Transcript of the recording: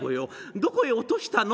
『どこへ落としたの？』